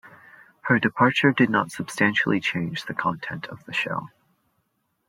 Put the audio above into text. Her departure did not substantially change the content of the show.